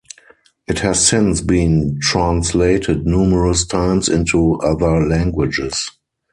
It has since been translated numerous times into other languages.